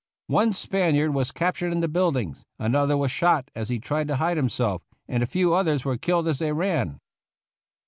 One Spaniard was captured in the buildings, another was shot as he tried to hide himself, and a few others were killed as they ran.